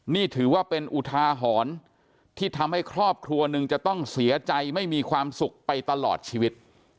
นี่ถือว่าเป็นอุทาหรณ์ที่ทำให้ครอบครัวหนึ่งจะต้องเสียใจไม่มีความสุขไปตลอดชีวิต